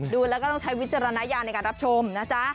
ดูแล้วก็ต้องใช้วิจารณญาณในการรับชมนะจ๊ะ